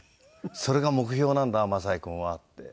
「それが目標なんだ雅也君は」って。